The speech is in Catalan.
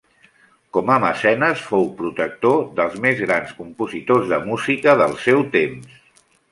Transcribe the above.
Com a mecenes fou protector dels més grans compositors de música del seu temps.